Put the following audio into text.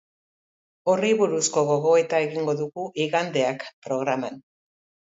Horri buruzko gogoeta egingo dugu igandeak programan.